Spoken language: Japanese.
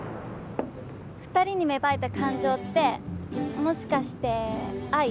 ２人に芽生えた感情ってもしかして愛？